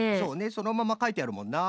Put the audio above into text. そのままかいてあるもんな。